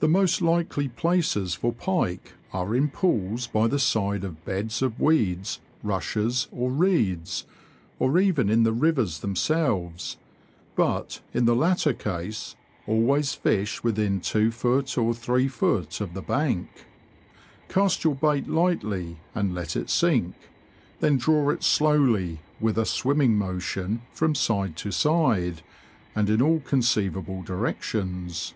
The most likely places for pike are in pools, by the side of beds of weeds, rushes, or reeds, or even in the rivers themselves ; but, in the latter case, always fish within 2ft. or 3ft. of the bank. Cast your bait lightly, and let it sink ; then draw it slowly, with a swimming motion, from side to side, and in all con ceivable directions.